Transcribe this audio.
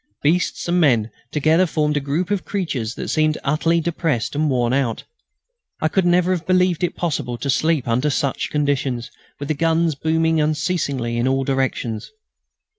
Beasts and men together formed a group of creatures that seemed utterly depressed and worn out. I could never have believed it possible to sleep under such conditions, with the guns booming unceasingly in all directions.